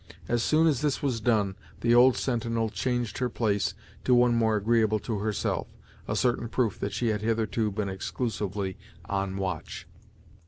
As soon as this was done, the old sentinel changed her place to one more agreeable to herself, a certain proof that she had hitherto been exclusively on watch.